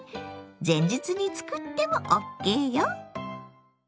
前日に作ってもＯＫよ。